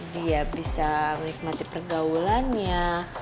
dia bisa menikmati pergaulannya